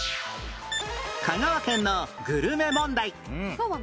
香川県のグルメ問題